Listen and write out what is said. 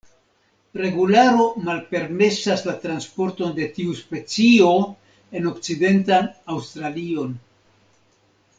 Regularo malpermesas la transporton de tiu specio en Okcidentan Aŭstralion.